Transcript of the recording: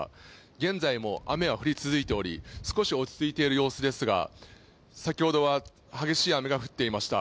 現在も雨は降り続いており、少し落ち着いている様子ですが、先ほどは激しい雨が降っていました。